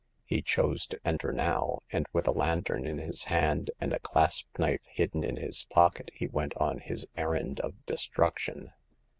He chose to enter now, and with a lantern in his hand, and a clasp knife hidden in his pocket, he went on his errand of destruction.